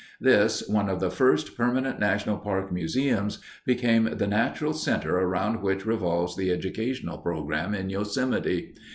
This, one of the first permanent national park museums, became the natural center around which revolves the educational program in Yosemite.